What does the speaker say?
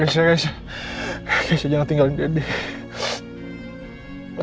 kece kece kece kece kece jangan tinggalin dedy